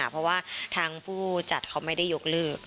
เพราะว่าทางผู้จัดเขาไม่ได้ยกเลิก